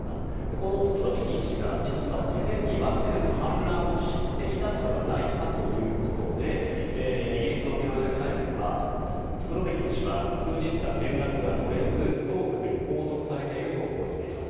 このスロビキン氏が実は事前にワグネルの反乱を知っていたのではないかということでイギリスのフィナンシャル・タイムズはスロビキン氏は数日間、連絡が取れず当局に拘束されていると報じています。